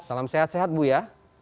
salam sehat sehat bu ya